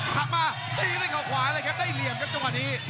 หักมาตีด้วยเขาขวาเลยครับได้เหลี่ยมครับจังหวะนี้